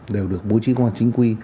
đều được bố trí công an chính quy